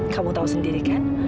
kamu tau sendiri kan